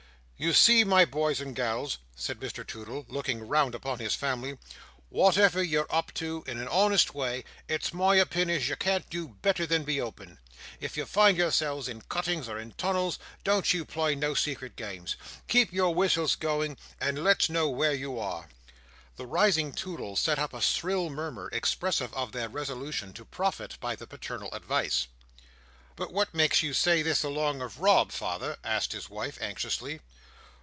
"You see, my boys and gals," said Mr Toodle, looking round upon his family, "wotever you're up to in a honest way, it's my opinion as you can't do better than be open. If you find yourselves in cuttings or in tunnels, don't you play no secret games. Keep your whistles going, and let's know where you are." The rising Toodles set up a shrill murmur, expressive of their resolution to profit by the paternal advice. "But what makes you say this along of Rob, father?" asked his wife, anxiously.